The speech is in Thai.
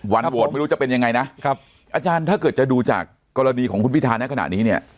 วันโหวตไม่รู้จะเป็นยังไงนะครับอาจารย์ถ้าเกิดจะดูจากกรณีของคุณพิธาในขณะนี้เนี่ย